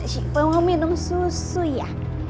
siapa mau minum susu ya